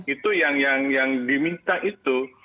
itu yang diminta itu